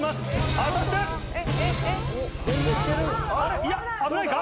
果たして⁉いや危ないか？